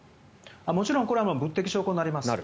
もちろん物的証拠になります。